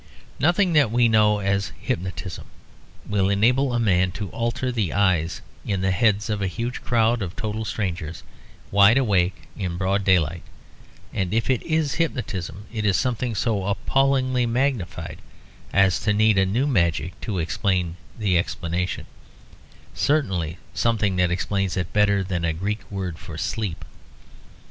Nothing that we know as hypnotism will enable a man to alter the eyes in the heads of a huge crowd of total strangers; wide awake in broad daylight; and if it is hypnotism, it is something so appallingly magnified as to need a new magic to explain the explanation; certainly something that explains it better than a Greek word for sleep.